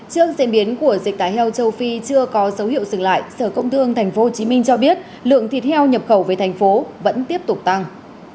trước diễn biến của dịch tả heo châu phi chưa có dấu hiệu dừng lại sở công thương tp hcm cho biết lượng thịt heo nhập khẩu về thành phố vẫn tiếp tục tăng